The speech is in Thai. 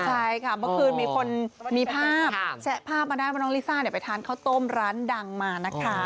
ใช่ค่ะเมื่อคืนมีคนมีภาพแชะภาพมาได้ว่าน้องลิซ่าไปทานข้าวต้มร้านดังมานะคะ